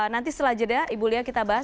nanti setelah jeda ibu lia kita bahas